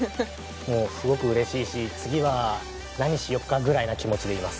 もうすごくうれしいし「次は何しようか？」ぐらいな気持ちでいます。